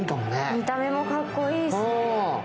見た目もかっこいいし。